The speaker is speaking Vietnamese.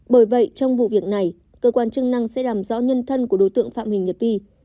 bởi vậy trong vụ việc này cơ quan chức năng sẽ làm rõ nhân thân của đối tượng phạm huỳnh nhật vi